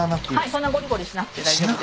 そんなごりごりしなくて大丈夫です。